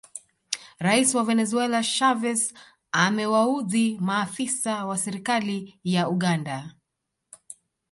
Rais wa Venezuela Chavez amewaudhi maafisa wa serikali ya Uganda